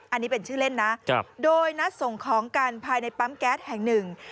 อันนี้เป็นชื่อเล่นนะโดยนัดส่งของกันภายในปั๊มแก๊สแห่งหนึ่ง